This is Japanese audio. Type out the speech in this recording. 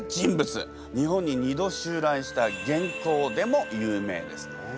日本に２度襲来した元寇でも有名ですね。